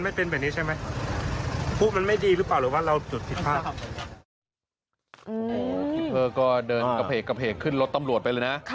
โอ้โหพี่เพอร์ก็เดินกระเพกกระเพกขึ้นรถตำรวจไปเลยนะ